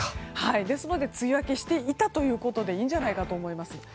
ですので梅雨明けしていたということでいいんじゃないかと思います。